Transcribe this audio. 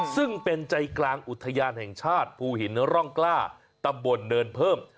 ซึ่งเป็นใจกลางอุทยานแห่งชาติภูหินร่องกล้าตำบลเนินเพิ่ม